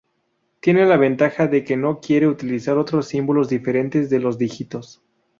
Tiene la ventaja de que no requiere utilizar otros símbolos diferentes de los dígitos.